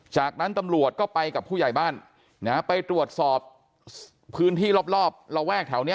จากนั้นตำรวจก็ไปกับผู้ใหญ่บ้านนะฮะไปตรวจสอบพื้นที่รอบระแวกแถวนี้